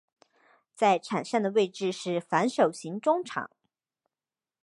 在场上的位置是防守型中场。